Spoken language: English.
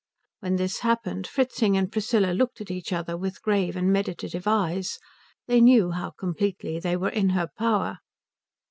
When this happened Fritzing and Priscilla looked at each other with grave and meditative eyes; they knew how completely they were in her power.